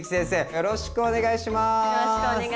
よろしくお願いします！